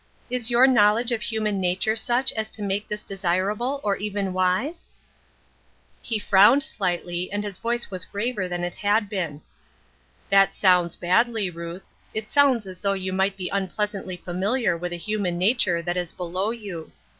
Is your knowledge of human nature such as to make this desirable, or even wise ?" He frowned slightly, and his voice was graver than it had been. " That sounds badly, Ruth ; it sounds as though you might be unpleasantly familiar with a human nature that is below you.